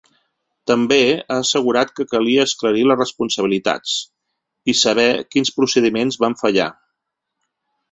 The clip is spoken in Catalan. També ha assegurat que calia esclarir les responsabilitats i saber quins procediments van fallar.